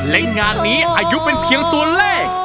และงานนี้อายุเป็นเพียงตัวเลข